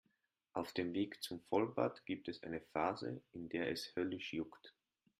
Auf dem Weg zum Vollbart gibt es eine Phase, in der es höllisch juckt.